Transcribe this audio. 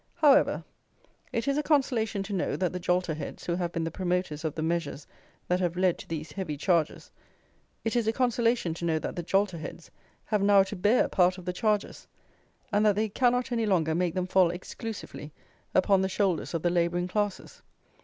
However, it is a consolation to know, that the jolterheads who have been the promoters of the measures that have led to these heavy charges; it is a consolation to know that the jolterheads have now to bear part of the charges, and that they cannot any longer make them fall exclusively upon the shoulders of the labouring classes.